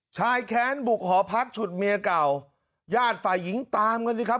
แค้นบุกหอพักฉุดเมียเก่าญาติฝ่ายหญิงตามกันสิครับ